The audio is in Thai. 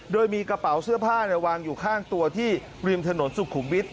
โดยมีกระเป๋าเสื้อผ้าวางอยู่ข้างตัวที่ริมถนนสุขุมวิทย